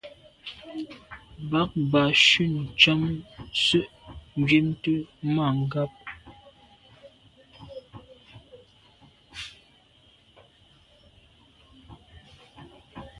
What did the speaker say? Bag ba shun tshàm se’ njwimte mà ngab.